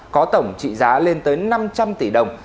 có tổng trị giá lên tới năm trăm linh tỷ đồng